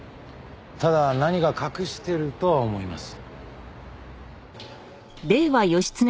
ただ何か隠してるとは思います。